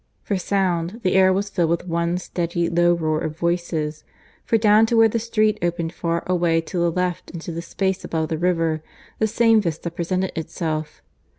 For sound, the air was filled with one steady low roar of voices; for down to where the street opened far away to the left into the space above the river, the same vista presented itself.